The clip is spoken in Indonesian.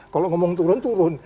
kalau ngomong turun turun